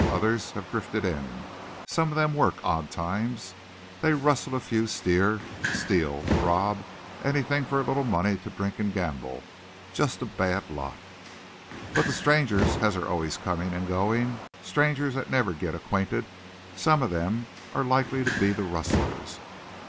Others have drifted in. Some of them work odd times. They rustle a few steer, steal, rob, anythin' for a little money to drink an' gamble. Jest a bad lot! "But the strangers as are always comin' an' goin' strangers that never git acquainted some of them are likely to be the rustlers.